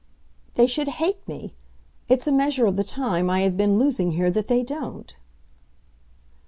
"They should hate me! It's a measure of the time I have been losing here that they don't."